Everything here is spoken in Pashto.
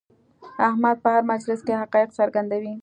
احمد په هر مجلس کې حقایق څرګندوي.